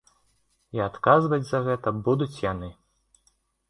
І адказваць за гэта будуць яны.